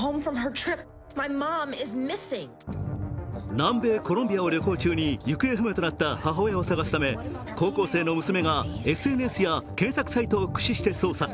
南米コロンビアを旅行中に行方不明となった母親を捜すため高校生の娘がＳＮＳや検索サイトを駆使して捜査。